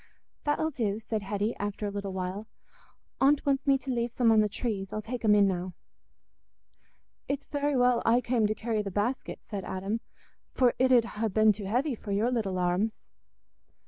"That'll do," said Hetty, after a little while. "Aunt wants me to leave some on the trees. I'll take 'em in now." "It's very well I came to carry the basket," said Adam "for it 'ud ha' been too heavy for your little arms."